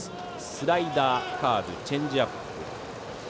スライダー、カーブチェンジアップ。